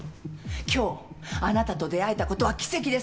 今日あなたと出会えたことは奇跡です。